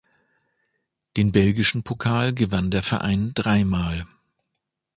Den belgischen Pokal gewann der Verein dreimal.